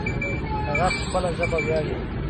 هغه په خپله ژبه ویاړې